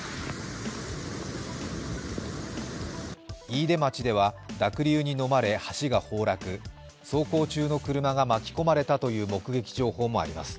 飯豊町では濁流にのまれ、橋が崩落走行中の車が巻き込まれたという目撃情報もあります。